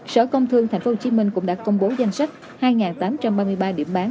sở công thương tp hcm cũng đã công bố danh sách hai tám trăm ba mươi ba điểm bán